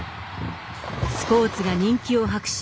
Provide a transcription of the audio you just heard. スポーツが人気を博し